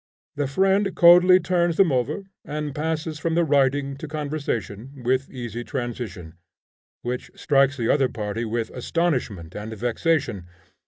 The friend coldly turns them over, and passes from the writing to conversation, with easy transition, which strikes the other party with astonishment and vexation.